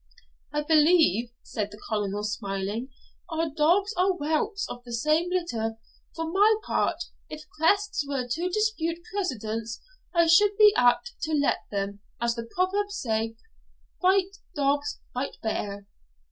'I believe,' said the Colonel, smiling, 'our dogs are whelps of the same litter; for my part, if crests were to dispute precedence, I should be apt to let them, as the proverb says, "fight dog, fight bear."'